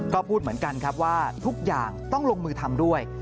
ก็พูดเหมือนกันครับว่าทุกอย่างต้องลงมือทำด้วย